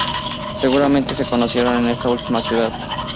Seguramente se conocieron en esta última ciudad.